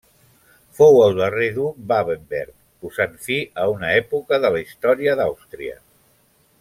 Fou el darrer duc Babenberg, posant fi a una època de la història d'Àustria.